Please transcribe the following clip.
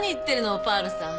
オパールさん。